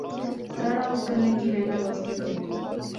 ساڑا اس کنے کی لینا واسطہ نئیں